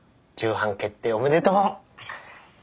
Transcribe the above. ありがとうございます。